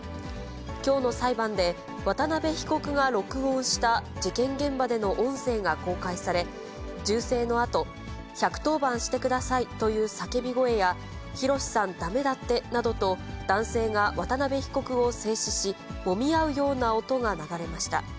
きょうの裁判で、渡辺被告が録音した事件現場での音声が公開され、銃声のあと、１１０番してくださいという叫び声や、宏さんだめだってなどと、男性が渡辺被告を制止し、もみ合うような音が流れました。